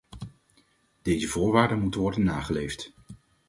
Deze voorwaarden moeten worden nageleefd.